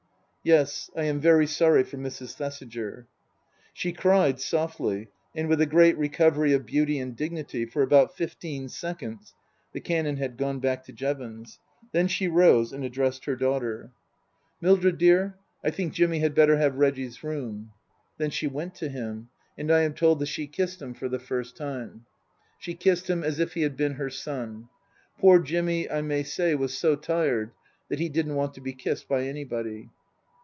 Yes. I am very sorry for Mrs. Thesiger. She cried, softly, and with a great recovery of beauty and dignity, for about fifteen seconds (the Canon had gone back to Jevons) ; then she rose and addressed her daughter. 332 Tasker Jevons " Mildred dear, I think Jimmy had better have Reggie's room.'* Then she went to him ; and I am told that she kissed him for the first time. She kissed him as if he had been her son. (Poor Jimmy, I may say, was so tired that he didn't want to be kissed by anybody.)